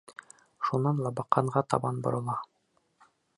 Шунан Лабаҡанға табан борола: